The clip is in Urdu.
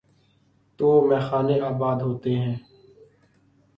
تو میخانے آباد ہوتے ہیں۔